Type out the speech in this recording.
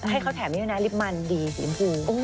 ให้เขาแถมนี้ดูนะลิปมันดีสีอินพู